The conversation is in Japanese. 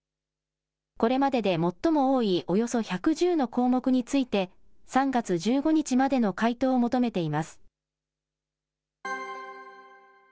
これまでで最も多いおよそ１１０の項目について、３月１５日までの回答を求めています。